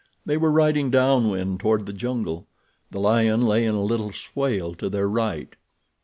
They were riding down wind toward the jungle. The lion lay in a little swale to their right.